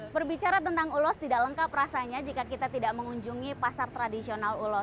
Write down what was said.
berbicara tentang ulos tidak lengkap rasanya jika kita tidak mengunjungi pasar tradisional ulos